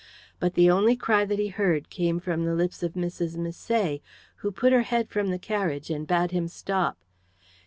But the only cry that he heard came from the lips of Mrs. Misset, who put her head from the carriage and bade him stop.